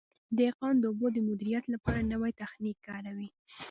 دهقان د اوبو د مدیریت لپاره نوی تخنیک کاروي.